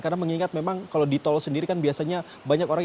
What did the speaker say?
karena mengingat memang kalau di tol sendiri kan biasanya banyak orang